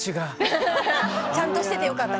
ちゃんとしててよかった。